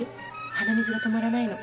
鼻水が止まらないの。